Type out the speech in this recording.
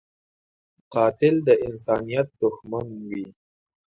قاتل د انسانیت دښمن وي